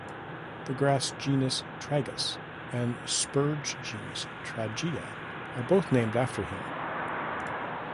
The grass genus "Tragus" and spurge genus "Tragia" are both named after him.